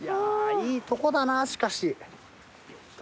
いいとこだなしかし。